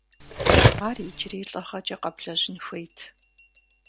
Ар иджыри лӏыгъэкӏэ къэблэжьын хуейт.